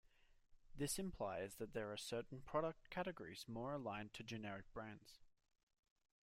This implies that there are certain product categories more aligned to generic brands.